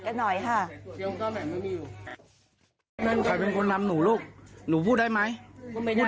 กันหน่อยค่ะใครเป็นคนทำหนูลูกหนูพูดได้ไหมพูด